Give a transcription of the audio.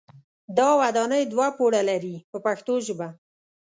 دا ودانۍ دوه پوړه لري په پښتو ژبه.